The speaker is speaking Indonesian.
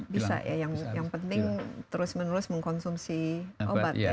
bisa ya yang penting terus menerus mengkonsumsi obat ya